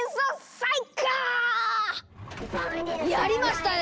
やりましたね